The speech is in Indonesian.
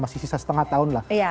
masih sisa setengah tahun lah